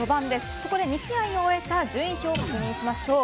ここで２試合を終えた順位を確認しましょう。